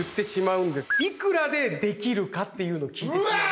「いくらでできるか」っていうのを聞いてしまうんです。